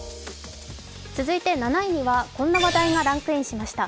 続いては、７位にはこんな話題がランクインしました。